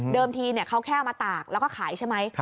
ทีเขาแค่เอามาตากแล้วก็ขายใช่ไหม